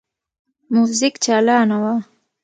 موزیک چالانه وو.